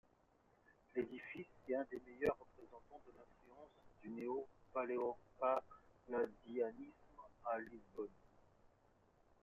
L'édifice est un des meilleurs représentants de l'influence du néo-palladianisme à Lisbonne.